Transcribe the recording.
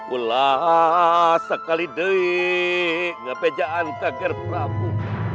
ulaa sekali dek ngepejaan ke ger prabu